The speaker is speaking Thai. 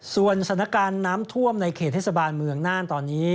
ส่วนสถานการณ์น้ำท่วมในเขตเทศบาลเมืองน่านตอนนี้